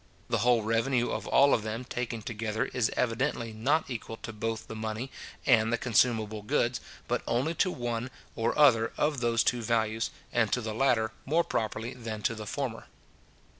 The whole revenue of all of them taken together is evidently not equal to both the money and the consumable goods, but only to one or other of those two values, and to the latter more properly than to the former.